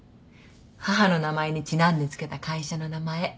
母の名前にちなんで付けた会社の名前。